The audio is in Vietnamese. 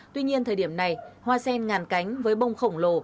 tuy nhiên thời điểm này hoa sen ngàn cánh với bông khổng lồ